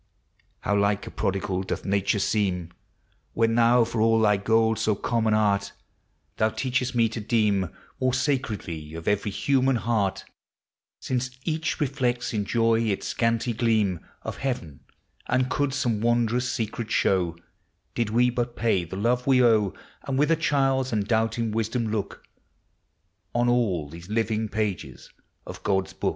How like a prodigal doth nature seem When thou, for all tli.\ old. so common arl ! Thou teachesl me 1<> deem More sacredly of every human heart, Since each reflects in joy its scanty gleam Of heaven, and could some wondrous Did we bul pay the love we o\ And with a child's undoubting wi On all these living pages of < tod'* bo